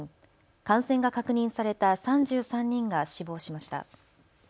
感染が確認された３３人が死亡しました。